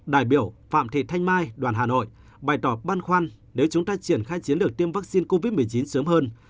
đại biểu phạm thị thanh mai đoàn hà nội bày tỏ băn khoăn nếu chúng ta triển khai chiến lược tiêm vaccine covid một mươi chín sớm hơn